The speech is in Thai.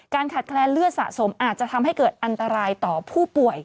ขาดแคลนเลือดสะสมอาจจะทำให้เกิดอันตรายต่อผู้ป่วย